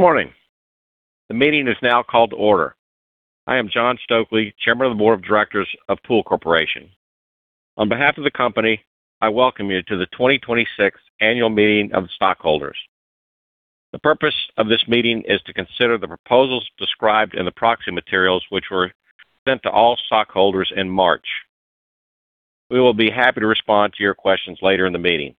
Good morning. The meeting is now called to order. I am John Stokely, Chairman of the Board of Directors of Pool Corporation. On behalf of the company, I welcome you to the 2026 annual meeting of stockholders. The purpose of this meeting is to consider the proposals described in the proxy materials, which were sent to all stockholders in March. We will be happy to respond to your questions later in the meeting.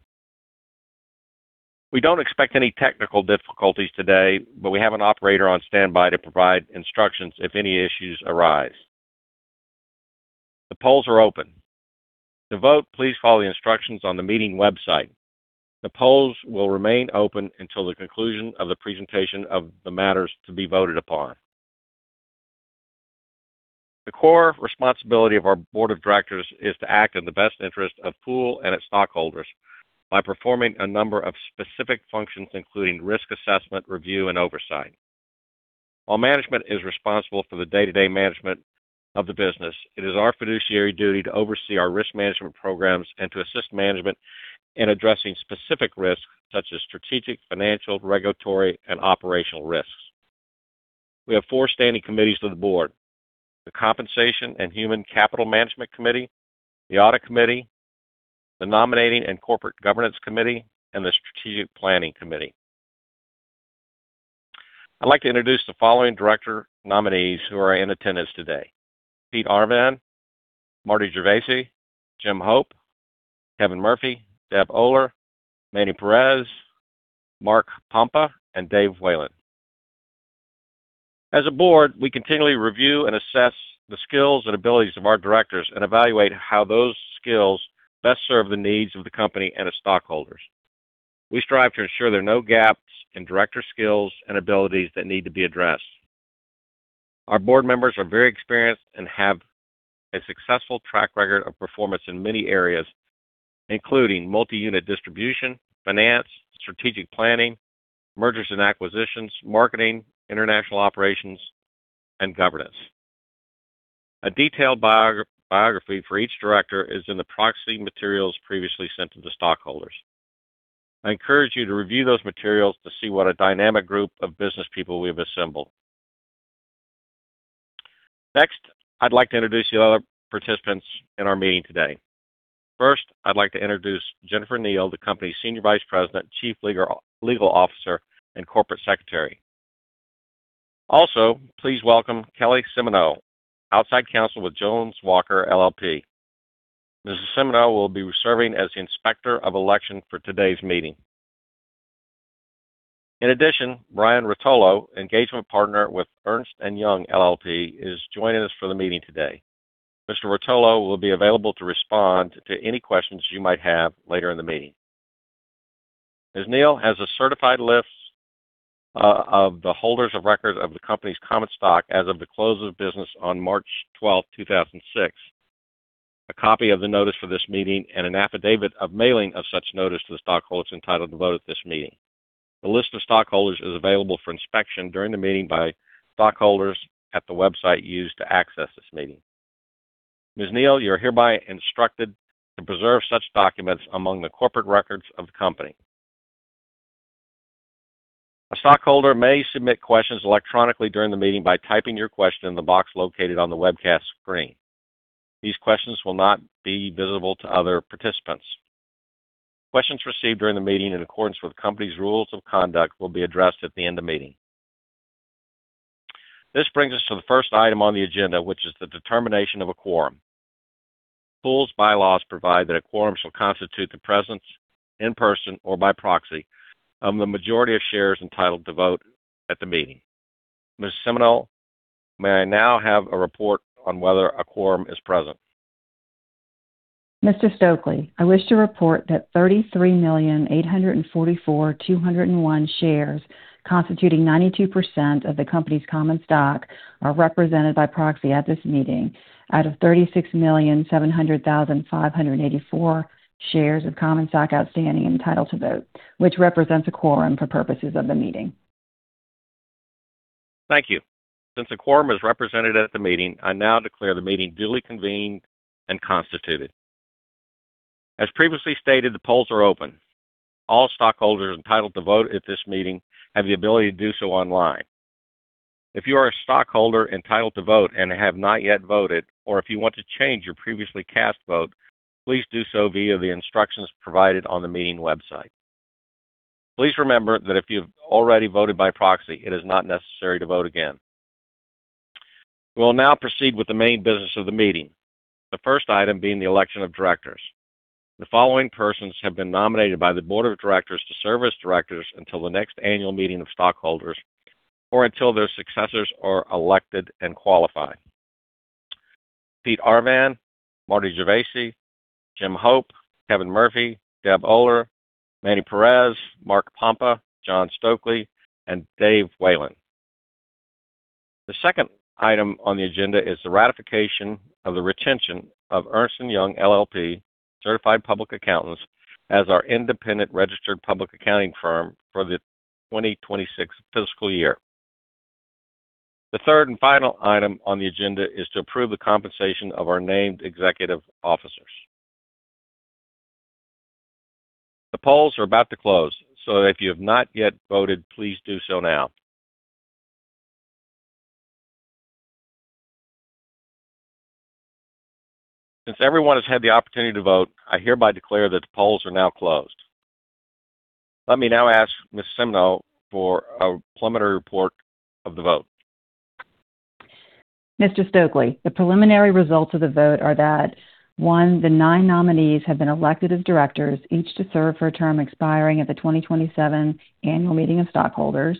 We don't expect any technical difficulties today, but we have an operator on standby to provide instructions if any issues arise. The polls are open. To vote, please follow the instructions on the meeting website. The polls will remain open until the conclusion of the presentation of the matters to be voted upon. The core responsibility of our board of directors is to act in the best interest of PoolCorp and its stockholders by performing a number of specific functions, including risk assessment, review, and oversight. While management is responsible for the day-to-day management of the business, it is our fiduciary duty to oversee our risk management programs and to assist management in addressing specific risks such as strategic, financial, regulatory, and operational risks. We have four standing committees to the board. The Compensation and Human Capital Management Committee, the Audit Committee, the Nominating and Corporate Governance Committee, and the Strategic Planning Committee. I'd like to introduce the following director nominees who are in attendance today. Peter D. Arvan, Martha Gervasi, James D. Hope, Kevin M. Murphy, Debra S. Oler, Manuel J. Perez de la Mesa, Mark W. Pompa, and David G. Whalen. As a board, we continually review and assess the skills and abilities of our directors and evaluate how those skills best serve the needs of the company and its stockholders. We strive to ensure there are no gaps in director skills and abilities that need to be addressed. Our board members are very experienced and have a successful track record of performance in many areas, including multi-unit distribution, finance, strategic planning, mergers and acquisitions, marketing, international operations, and governance. A detailed biography for each director is in the proxy materials previously sent to the stockholders. I encourage you to review those materials to see what a dynamic group of business people we've assembled. I'd like to introduce the other participants in our meeting today. First, I'd like to introduce Jennifer M. Neil, the company's Senior Vice President, Chief Legal Officer, and Corporate Secretary. Please welcome Kelly C. Simoneaux, Outside Counsel with Jones Walker LLP. Ms. Simoneaux will be serving as the Inspector of Election for today's meeting. Brian Rotolo, Engagement Partner with Ernst & Young LLP, is joining us for the meeting today. Mr. Rotolo will be available to respond to any questions you might have later in the meeting. Ms. Neil has a certified list of the holders of records of the company's common stock as of the close of business on March 12, 2006, a copy of the notice for this meeting, and an affidavit of mailing of such notice to the stockholders entitled to vote at this meeting. The list of stockholders is available for inspection during the meeting by stockholders at the website used to access this meeting. Ms. Neil, you are hereby instructed to preserve such documents among the corporate records of the company. A stockholder may submit questions electronically during the meeting by typing your question in the box located on the webcast screen. These questions will not be visible to other participants. Questions received during the meeting in accordance with the company's rules of conduct will be addressed at the end of meeting. This brings us to the first item on the agenda, which is the determination of a quorum. Pool's bylaws provide that a quorum shall constitute the presence in person or by proxy of the majority of shares entitled to vote at the meeting. Ms. Simoneaux, may I now have a report on whether a quorum is present? Mr. Stokely, I wish to report that 33,844,201 shares, constituting 92% of the company's common stock, are represented by proxy at this meeting out of 36,700,584 shares of common stock outstanding entitled to vote, which represents a quorum for purposes of the meeting. Thank you. Since a quorum is represented at the meeting, I now declare the meeting duly convened and constituted. As previously stated, the polls are open. All stockholders entitled to vote at this meeting have the ability to do so online. If you are a stockholder entitled to vote and have not yet voted, or if you want to change your previously cast vote, please do so via the instructions provided on the meeting website. Please remember that if you've already voted by proxy, it is not necessary to vote again. We'll now proceed with the main business of the meeting. The first item being the election of directors. The following persons have been nominated by the Board of Directors to serve as directors until the next annual meeting of stockholders or until their successors are elected and qualify. Peter D. Arvan, Martha Gervasi, James D. Hope, Kevin M. Murphy, Debra S. Oler, Manuel J. Perez de la Mesa, Mark W. Pompa, John E. Stokely, and David G. Whalen. The second item on the agenda is the ratification of the retention of Ernst & Young LLP Certified Public Accountants as our independent registered public accounting firm for the 2026 fiscal year. The third and final item on the agenda is to approve the compensation of our named executive officers. The polls are about to close, if you have not yet voted, please do so now. Since everyone has had the opportunity to vote, I hereby declare that the polls are now closed. Let me now ask Ms. Kelly C. Simoneaux for a preliminary report of the vote. Mr. Stokely, the preliminary results of the vote are that, one, the nine nominees have been elected as directors, each to serve for a term expiring at the 2027 annual meeting of stockholders.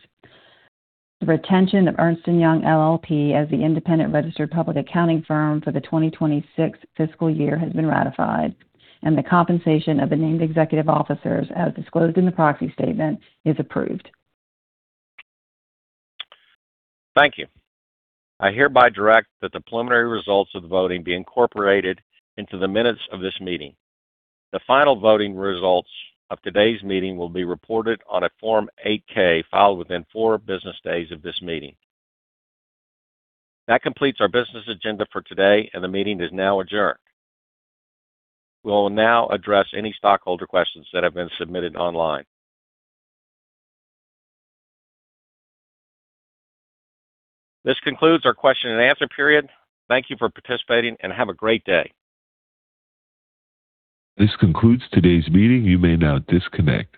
The retention of Ernst & Young LLP as the independent registered public accounting firm for the FY 2026 has been ratified, and the compensation of the named executive officers, as disclosed in the proxy statement, is approved. Thank you. I hereby direct that the preliminary results of the voting be incorporated into the minutes of this meeting. The final voting results of today's meeting will be reported on a Form 8-K filed within four business days of this meeting. That completes our business agenda for today, and the meeting is now adjourned. We will now address any stockholder questions that have been submitted online. This concludes our question and answer period. Thank you for participating, and have a great day. This concludes today's meeting. You may now disconnect.